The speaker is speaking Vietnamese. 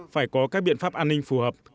phải có các biện pháp an ninh phù hợp